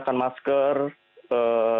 yang juga terkait ram